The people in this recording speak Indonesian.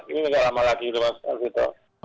ini tidak lama lagi gitu mas alvito